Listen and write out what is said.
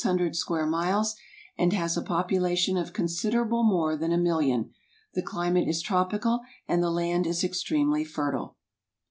= Porto Rico contains about 3,600 square miles, and has a population of considerable more than a million. The climate is tropical and the land is extremely fertile.